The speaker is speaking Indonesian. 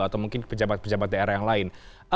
atau mungkin pejabat pejabat daerah yang lain